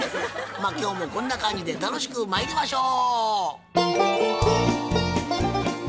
まあ今日もこんな感じで楽しくまいりましょう！